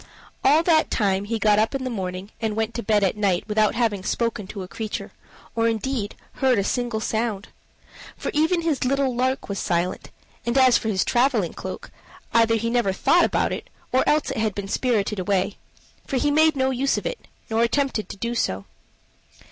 All that time he got up in the morning and went to bed at night without having spoken to a creature, or, indeed, heard a single sound. For even his little lark was silent; and as for his traveling cloak, either he never thought about it, or else it had been spirited away for he made no use of it, nor attempted to do so.